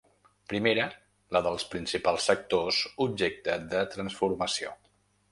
Primera, la dels principals sectors objecte de transformació.